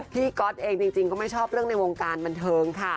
ก๊อตเองจริงก็ไม่ชอบเรื่องในวงการบันเทิงค่ะ